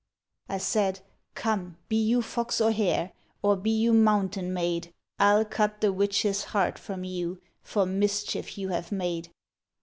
I said, ' Come, be you fox or hare. Or be you mountain maid, I '11 cut the witch's heart from you. For mischief you have made.'